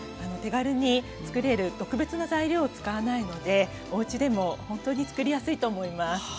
手軽につくれる特別な材料を使わないのでおうちでも本当につくりやすいと思います。